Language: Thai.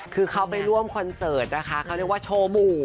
คือเขาไปร่วมคอนเสิร์ตนะคะเขาเรียกว่าโชว์หมู่